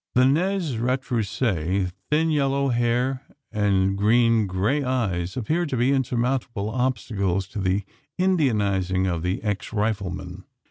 The nez retrousse, thin yellow hair, and green grey eyes appeared to be insurmountable obstacles to the Indianising of the ex rifleman.